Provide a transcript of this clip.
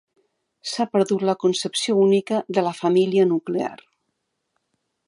S'ha perdut la concepció única de la família nuclear.